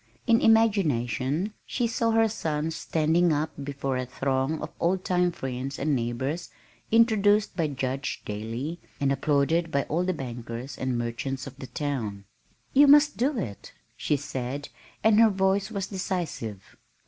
In imagination she saw her son standing up before a throng of old time friends and neighbors introduced by Judge Daly and applauded by all the bankers and merchants of the town. "You must do it," she said, and her voice was decisive.